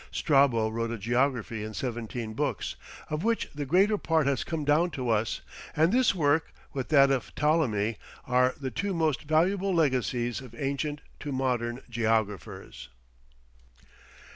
Strabo wrote a Geography in seventeen Books, of which the greater part has come down to us, and this work, with that of Ptolemy, are the two most valuable legacies of ancient to modern Geographers.